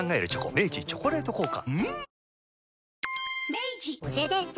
明治「チョコレート効果」